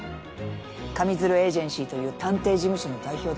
上水流エージェンシーという探偵事務所の代表です。